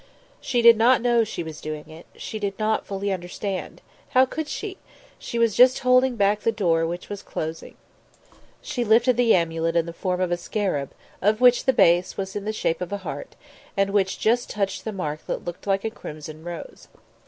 She did not know she was doing it; she did not fully understand how could she? she was just holding back the door which was closing. She lifted the amulet in the form of a scarab, of which the base was in the shape of a heart, and which just touched the mark that looked like a crimson rose.